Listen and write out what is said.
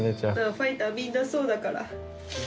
ファイターみんなそうだから。